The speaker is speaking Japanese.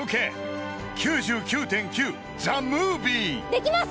できます！